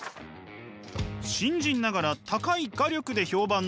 新人ながら高い画力で評判の足立さん。